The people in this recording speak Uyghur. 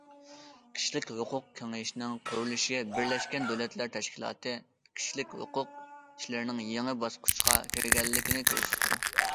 كىشىلىك ھوقۇق كېڭىشىنىڭ قۇرۇلۇشى بىرلەشكەن دۆلەتلەر تەشكىلاتى كىشىلىك ھوقۇق ئىشلىرىنىڭ يېڭى باسقۇچقا كىرگەنلىكىنى كۆرسىتىدۇ.